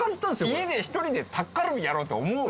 家で１人でタッカルビやろうと思う？